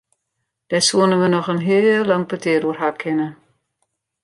Dêr soenen we noch in heel lang petear oer ha kinne.